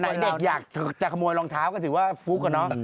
ไหนเด็กอยากจะขโมยรองเท้าก็ถือว่าฟุกอะเนาะ